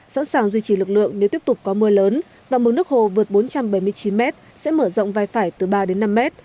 sẵn sàng duy trì lực lượng nếu tiếp tục có mưa lớn và mức nước hồ vượt bốn trăm bảy mươi chín mét sẽ mở rộng vai phải từ ba đến năm mét